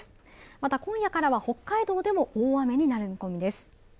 また今夜からは北海道でも大雨になる見込みです。